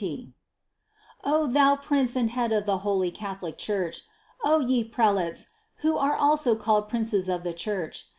O thou prince and head of the holy Catholic Church! O ye prelates, who are also called princes of the Church!